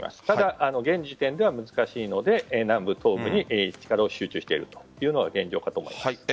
ただ、現時点では難しいので南部、東部に力を集中しているというのが現状かと思います。